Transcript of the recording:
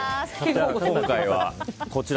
はい、今回はこちら。